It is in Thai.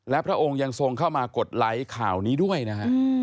และพระองค์ยังทรงเข้ามากดไลค์ข่าวนี้ด้วยนะฮะ